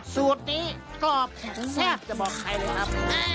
สูตรนี้กรอบแซ่บจะบอกใครเลยครับ